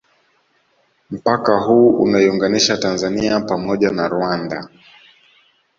Mpaka huu unaiunganisha Tanzania pamoja na Rwanda